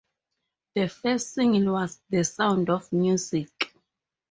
The first single was "The Sound of Musik".